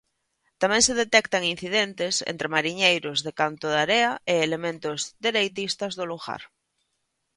Tamén se detectan incidentes entre mariñeiros de Cantodarea e elementos dereitistas do lugar.